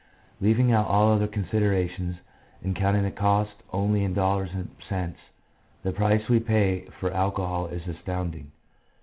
Leaving out all other considerations, and counting the cost only in dollars and cents, the price we pay for alcohol is astounding.